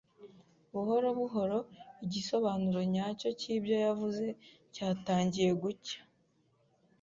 Buhoro buhoro igisobanuro nyacyo cyibyo yavuze cyatangiye gucya.